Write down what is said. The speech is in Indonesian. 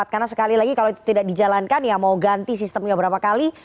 karena sekali lagi kalau itu tidak dijalankan ya mau ganti sistemnya berapa kali